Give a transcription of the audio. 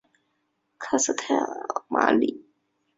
卡斯泰尔马里。